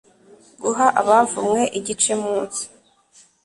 guha abavumwe igice munsi